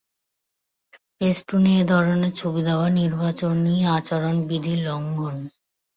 ফেস্টুনে এ ধরনের ছবি দেওয়া নির্বাচনী আচরণবিধির লঙ্ঘন।